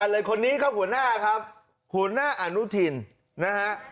เอ่ะอันนี้เขาหัวหน้าครับหัวหน้าอณุทิศนะฮะ